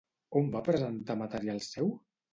On va presentar material seu?